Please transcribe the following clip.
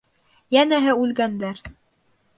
Йәнәһе, үлгәндәр.